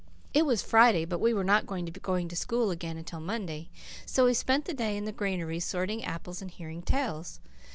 It was Friday, but we were not to begin going to school again until Monday, so we spent the day in the granary, sorting apples and hearing tales.